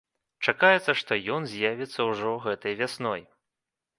Чакаецца, што ён з'явіцца ўжо гэтай вясной.